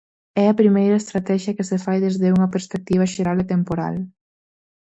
É a primeira estratexia que se fai desde unha perspectiva xeral e temporal.